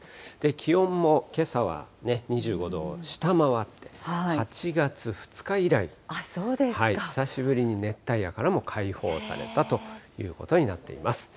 気温もけさは２５度を下回って、８月２日以来、久しぶりに熱帯夜からも解放されたということになっています。